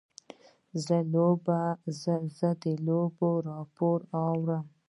زه د لوبې راپور اورم.